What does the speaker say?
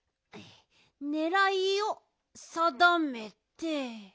ねらいをさだめて。